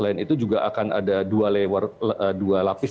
selain itu juga akan ada dua lapis